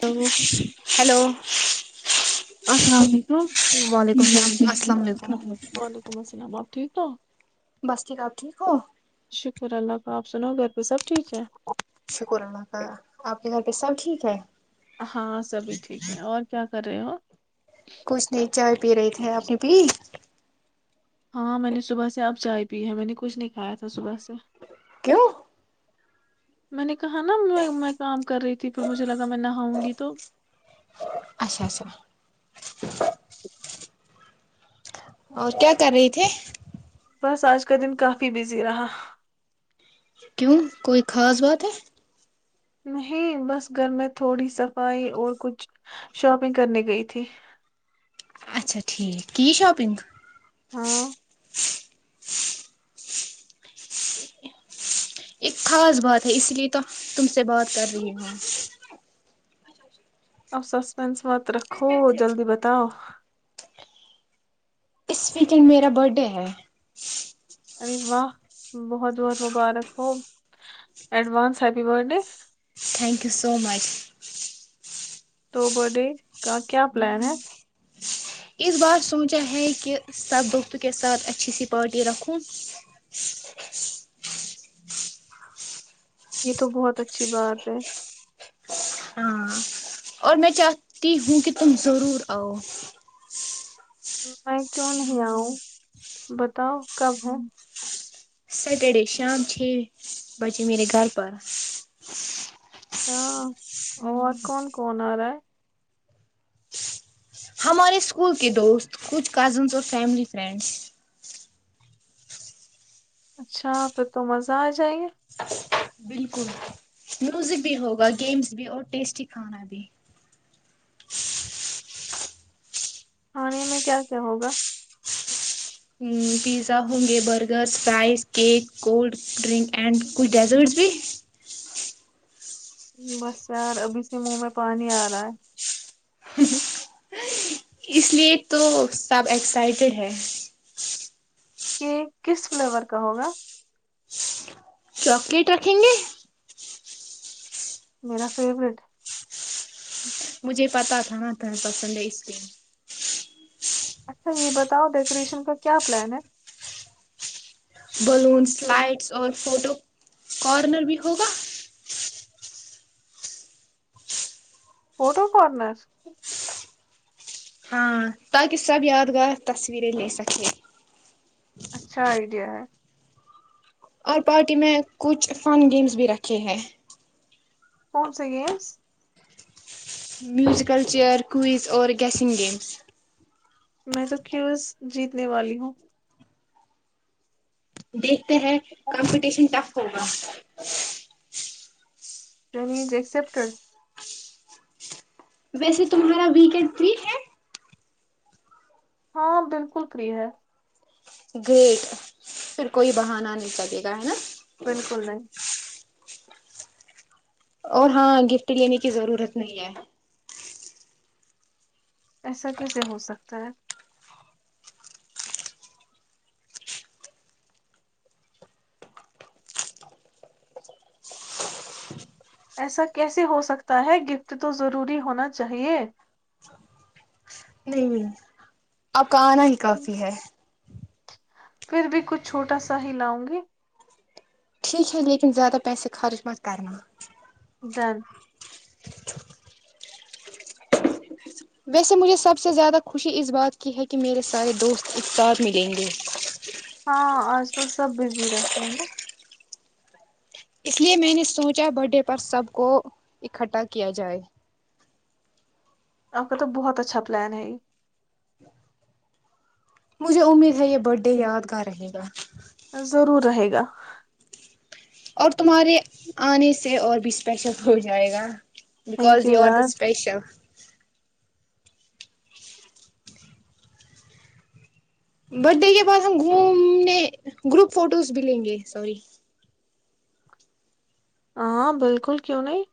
Hello hello السلام علیکم وعلیکم السلام السلام علیکم وعلیکم السلام ٹھیک ہے بس ٹھیک آپ ٹھیک ہو تو آپ سنو گھر پہ سب چٹیز ہے [inaudible] ہاں سبھی ٹھیک ہے اور کیا کر رہے ہو کچھ نہیں چائے پی رہی تھے اپنی پی ہاں میں نے صبح سے اب چائے پی ہے میں نے کچھ نہیں کھایا تھا صبح سے کیوں میں نے کہا نا میں کام کر رہی تھی پھر مجھے لگا میں نہاؤں گی تو اسا آا [inaudible] اور کیا کر رہے تھھی بس آج کا دن کافی بزی رہا کیوں کوئی خاص بات ہے نہیں بس گھر میں تھوڑی صفائی اور کچھ شاپنگ کرنی گئی تھی اچھا ٹھیک کی شاپنگ ہاں [inaudible] ایک خاص بات ہے اس لیے تو تم سے بات کر رہی ہ اب سسپینس مت رکھو جلدی بتاؤ اس ویکینڈ میرا برتھ ڈے ہے ارے واہ بہت بہت مبارک ہو advance happy birthday thank you so much تو بر ڈے کا کیا پلان ہے اس بار سوچا ہے کہ سب دوستوں کے ساتھ اچھی سی پارٹی رکھوں یہ تو بہت اچھی بات ہے ہاں اور میں چاہتی ہوں کہ تم ضرور آؤ میں کیوں نہیں آؤں بتاؤ کب ہے سٹرڈے شام چھ بجے میرے گھر پر ہاں اور کون کون آ رہا ہے ہمارے اسکول کے دوست کچھ کزنس اور فیملی فرینڈس اچھا پھر تو مزہ آ جائیے بالکل میوزک بھی ہوگا گیمس بھی اور ٹیسٹی کھانا بھی آنے میں کیا کیا ہوگا پیزا ہوں گے burger fries cake cold drink and کچھ ڈیزرٹس بھی بس یار ابھی سے منہ میں پانی آ رہا ہے اس لیے تو سب ایکسائٹیڈ ہے کیک کس فلیور کا ہوگا چاکلیٹ رکھیں گے میرا فیورٹ مجھے پتا تھا نا تھڑا پسند آئس کریم اچھا یہ بتاؤ ڈیکوریشن کا کیا پلان ہے بلونس لائٹس اور فوٹو کارنر بھی ہوگا پٹو پڑناس ہاں تاکہ سب یادگار تصویریں لے سکے اچھا آئیڈیا ہے اور پارٹی میں کچھ فن گیمس بھی رکھے ہیں کون سا گیمس میوزیکل چیئیر کوئز اور گیسنگ گیم میں تو کیوں جیتنے والی ہوں جی کمپٹیشن ٹف ہوگا لیز ایکسپٹ ویسے تمہارا ویکینڈ تھری ہے ہاں بالکل فری ہے گریٹ پھر کوئی بہانا نہیں لگے گا ہے نا بالکل نہیں اور ہاں گفٹ لینے کی ضرورت نہیں ہے ایسا کیسے ہو سکتا ہے؟ ایسا کیسے ہو سکتا ہے گفٹ تو ضروری ہونا چاہیے نہیں کا آناا ہی کافی ہے پھر بھی کچھ چھوٹا سا ہی لاؤں گی ٹھیک ہے لیکن زیادہ پیسے خرچ مہ کرن دن ویسے مجھے سب سے زیادہ خوشی اس بات کی ہے کہ میرے سارے دوست ایک ساتھ ملیں گے ہاں آج کل سب بزی رہتے ہیں نا اس لیے میں نے سوچا بر ڈے پر سب کو اکٹھا کیا جائے آپ کا تو بہت اچھا پلان ہے ہی مجھے امید ہے یہ بے یادگار رہے گا گ اور تمہارے آنے سے اور بھی اسپیشل ہو جائے گا thank because you are the یار اسپیشل برتھ ڈے کے بعد ہم گھومنے گروپ فوٹوز بھی لیں گے سوری ہاں بالکل کیوں نہیں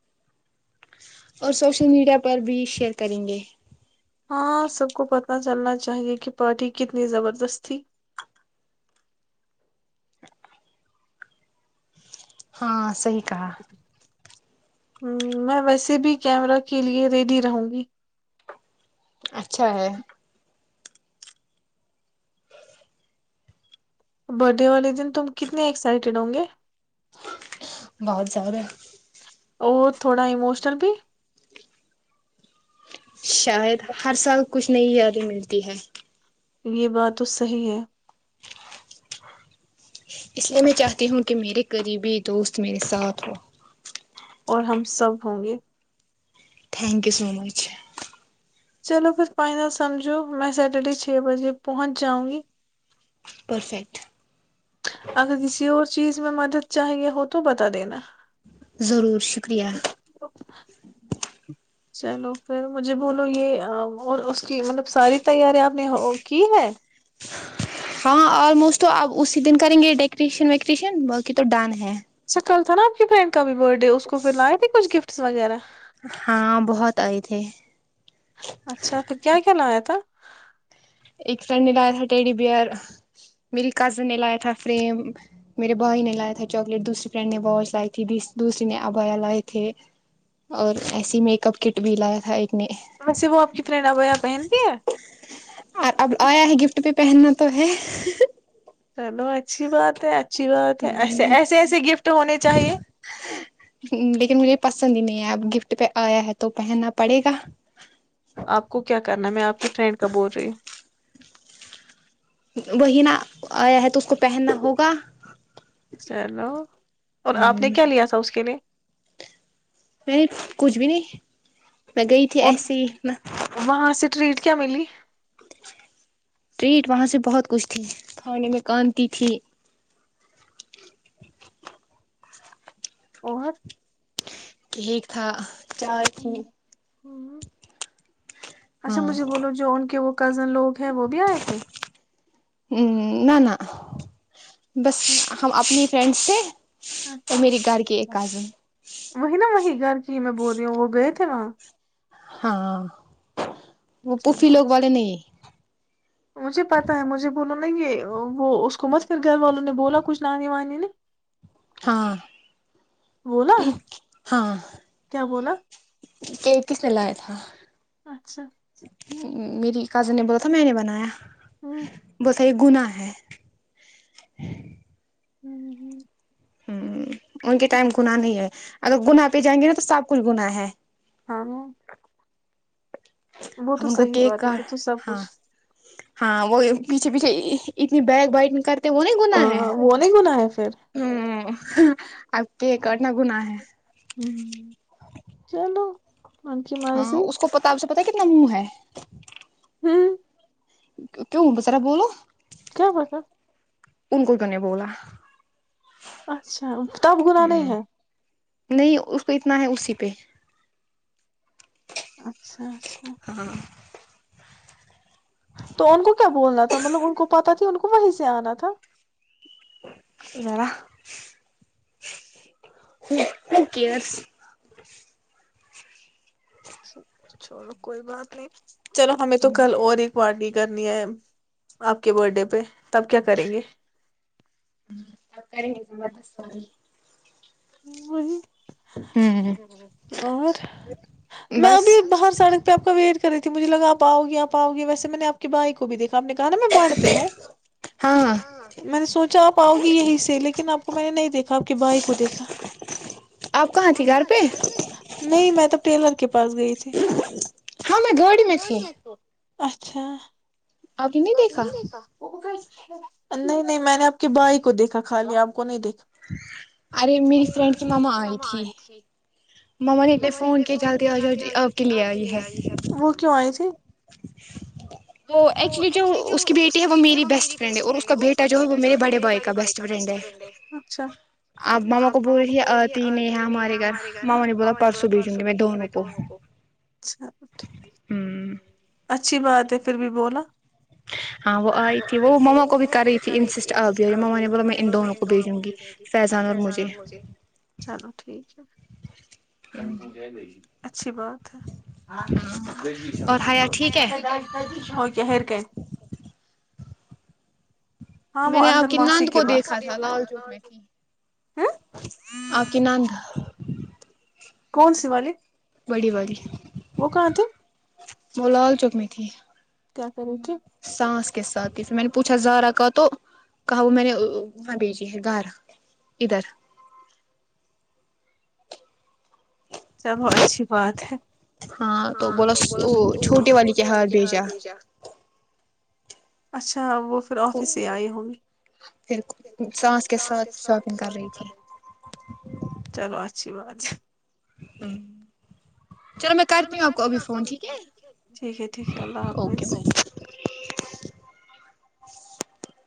اور سوشل میڈیا پر بھی شیئر کریں گے ہاں سب کو پتہ چلنا چاہیے کہ پارٹی کتنی زبردست تھی ہاں صحیح کہا میں ویسے بھی کیمرہ کی لیے ریڈی رہوں گی اچھا ہے [unintelligible] برتھ ڈے والے دن تم کتنے ایکسائٹیڈ ہوں گے بہت زارا [unintelligible] اور تھوڑا اموشنل بھی [unintelligible] شاید ہر سال کچھ نئی یادیں ملتی ہے یہ بات تو صحیح ہے اس لیے میں چاہتی ہوں کہ میرے قریبی دوست میرے ساتھ ہو اور ہم سب ہوں گے تھینک یو سو مچ [unintelligible] چلو پھر فائنل سمجھو میں سٹرڈے چھ بجے پہنچ جاؤں گی پرفیکٹ [unintelligible] اگر کسی اور چیز میں مدد چاہیے ہو تو بتا دینا ضرور شکریہ چلو پھر مجھے بولو یہ اور اس کی مطلب ساری تیارییا آپ نے کی ہے [unintelligible] ہاں آلموسٹ تو آپ اسی دن کریں گے ڈیکوریشن ویکریشن باقی تو ڈن ہے اچکل تھا نا آ کی پریم کا بھی برھ ڈے اس کو پھر لائے تھچھ گفٹ [unintelligible] فٹس وغیرہ [unintelligible] ہاں بہت آئے تھے اچھا کیا کیا نامیا تھا ایک فرینڈ نے لایا تھا ٹیڈی بیئر میری کزن نے لایا تھا فریم میرے بھائی نے لایا تھا چاکلیٹ دوسری فرینڈ نے واش لائی تھی دوسری نے ابایا لائے تھے اور ایسی میک اپ کٹ بھی لایا تھا ایک نے ویسے وہ آپ کی فرینڈ ابیا پہنتی ہے اور اب آیا ہے گفٹ پہ پہننا تو ہے [unintelligible] چلو آ [unintelligible] اچھی بات ہے اچھی بات ہے ایسے ایسے ایسے گفٹ ہونے چاہیے [unintelligible] لیکن مجھے پسند ہی نہیں اب گفٹ پہ آیا ہے تو پہننا پڑے گا [unintelligible] آپ کو کیا کرنا میں آپ کی فرینڈ کا بول رہی ہوں وہی نہ آیا ہے تو اس کو پہننا ہوگا چلو اور ہ آپ نے کیا لیا تھا اس کے لیے [unintelligible] میں نے کچھ بھی نہیں میں گئی تھی اور ایس میں وہاں سے ٹریٹ کیا ملی [unintelligible] ٹریٹ وہاں سے بہت کچھ تھی کھانے میں کانتی تھی اور [unintelligible] ٹھیک تھا [unintelligible] چار ت [unintelligible] ہوں، اچھا مجھے بولو جو ان کے وہ کزن لوگ ہیں وہ بھی آئے تھے نہ نہ بس ہم اپنی فرینڈ سے [unintelligible] اچا وہی نا وہی گھر جی میں بول رہی ہوں وہ گئے تھے وہاں ہاں وہ پوفی چلوچا لوگ والے نہیں مجھے پتا ہے مجھے بولو ے وہ اس کو مت پھر گھر والوں نے بولا کچھ نانانی وانی نے ہاں بولا کیا بولا کہک کس نے لایا تھا اچھا میری کازن نے بولا تھا میں نے بنایا ہوں وہ صحی گنا ہے [unintelligible] ہوں ہوں ہ ان کے ٹائم گنااہ نہیں ہے اگر گنا پہ جائیں گے نا تو سب کچھ گنااہ ہے ہ [unintelligible] وہ تو اب ان کو صحیح کیک بات ہے کا پھر تو سب ہاں کچھ ہاں وہ پیچھے پیچھے اتنی بیگ بائٹ نہیں کر تو وہ نہیں ہاں گنا ہے وہ نہیں گناہ ہے پھر ہ اب کےٹنا گنا ہے [unintelligible] ہ چلو ان کی ہاں مرضی اس کو پتاب سے پتاہ کتناامو ہے ہوں کیوں ب سرا بولو کیا پتا ان کوت نے بولا اچھا کتاب گناہ نہیں ہوں ہے نہیں اس کو اتنا ہے اسی پہ اچھا اچھا ہاں تو ان کو کیا بولنا تھا مطلب ان کو پت تھی ان کو وہیں سے آنا تھا ا [unintelligible] چوڑو کوئی بات نہیں چلو ہمیں تو کل اور رہ ہے پارٹی کرنی ہے آپ کے برتھ ڈے پہ تب کیا کریں گے سب کریں گے زبرد ساریی ہ ہوں [unintelligible] اور میں ابھی بس باہر سڑک پہ آپ کا ویٹ کری تھی مجھے لگ آپ آؤے آؤے ویسے میں نےپ کے بائی کو بھی دیکھا آپ نے کہا نا میں بانھ پہ ہوں ہاں میں نے سوچا آپ آؤ گی یہی سے لیکن آپ کو میں نے نہیں دیکھا آپ کے بھائی کو دیکھا آپ کہاں گھر پہ نہیں میں تو ٹیلر کے پاس گئی تھی میں ہاں گاڑی میں تھی گ [inaudible] اچھا [inaudible] ابھی نہیں دیکھا وہ [inaudible] نہیں نہیں میں نے آپ کے بھائی کو دیکھا خالی آپ کو نہیں دیکھا [unintelligible] ا میری فرینڈ سے ماما آئی تھی نے فون کیا جلدی جل آپ کے لیے آئی وہ کیوں آئی تھی [inaudible] [inaudible] تو ایکچولی جو اس کی بیٹی ہے وہ میری بیٹ فریڈ ہے اور اس کا بیٹا جو ہے وہ میرے بڑے بھائی کا بیسٹ فرینڈ ہے اچا اب ماما کو بول رہتی نہیں ہے ہمارے گھر ماما نے بولا پرسوں بھیجوں گی میں دونوں کو [inaudible] ہوں اچھی بات ہے پھر بھی بولا [inaudible] ہاں وہ آئی تھی وہ مما کو بھی کر رہی تھی آ گ ما نے ب میں ان کو دے دوں گی پہچان مجھے چلو ٹھیک ہے [inaudible] اچھی بات ہے اور حیا ٹھیک ہے [inaudible] ہاں میں وہ نے آپ اندر کی ماسی نند کو دیکھا تھا لال چوک میں ت [unintelligible] ہاں [inaudible] آک نان تھا [unintelligible] کون سی والی [inaudible] بڑی باری [unintelligible] وہ کہاں تھے [unintelligible] وہ لال چوک میں تھی [unintelligible] کیا کریں کےے [inaudible] سانس کے ساتھ ہی پھر میں نے پوچھا زارا کا تو کہا وہ میں نے وہاں بھیجی ہے گھر [unintelligible] ادھر [inaudible] چلو اچھی بات ہے [unintelligible] ہاں تو بولا وہ چھوٹی والی کے ہال بھیجا [inaudible] اچھا [inaudible] اچا وہ پھر آفس ہی آئی ہوں پھر گیات سانس کے ساتھ شاپنگ کر رہی تھی چلو اچھی بات [inaudible] ہوں [inaudible] چلو میں آپ کو کرتی ابھی ہوںپ فون ٹھیک ف ہے ٹھیک ہے ٹھیک ہے اللہ اوکے حافظ بائے [inaudible]